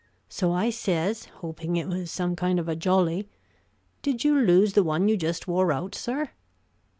So I says, hoping it was some kind of a jolly, 'Did you lose the one you just wore out, sir?'